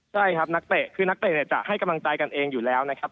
ใช่ครับนักเตะคือนักเตะเนี่ยจะให้กำลังใจกันเองอยู่แล้วนะครับ